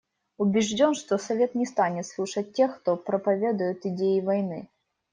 Убежден, что Совет не станет слушать тех, кто проповедует идеи войны.